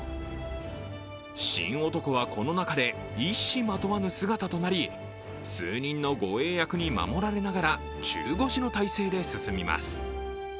神男は、この中で一糸まとわぬ姿となり数人の護衛役に守られながら中腰の体勢で進みます。